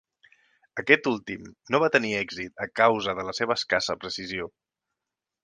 Aquest últim no va tenir èxit a causa de la seva escassa precisió.